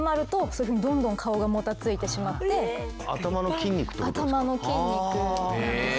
頭の筋肉なんです。